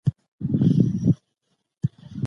که ټولنه ونه پېژنو پرمختګ نسو کولای.